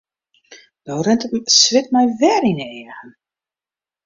No rint it swit my wer yn 'e eagen.